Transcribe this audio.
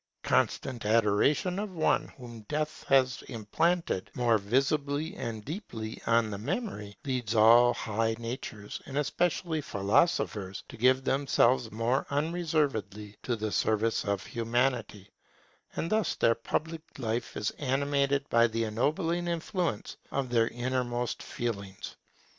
Constant adoration of one whom Death has implanted more visibly and deeply on the memory, leads all high natures, and especially philosophers, to give themselves more unreservedly to the service of Humanity; and thus their public life is animated by the ennobling influence of their innermost feelings.